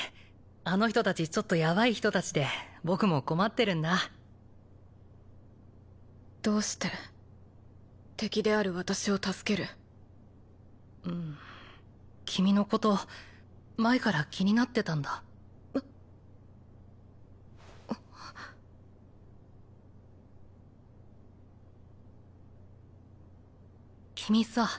あの人達ちょっとヤバい人達で僕も困ってるんだどうして敵である私を助けるうん君のこと前から気になってたんだ君さ